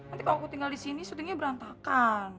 nanti kalau aku tinggal di sini syutingnya berantakan